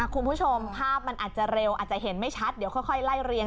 คุณผู้ชมภาพมันอาจจะเร็วอาจจะเห็นไม่ชัดเดี๋ยวค่อยไล่เรียง